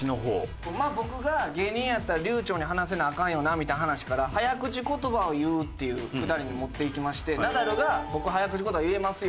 僕が芸人やったら流暢に話せなアカンよなみたいな話から早口言葉を言うっていうくだりに持っていきましてナダルが「僕早口言葉言えますよ」